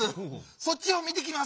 そっちを見てきます！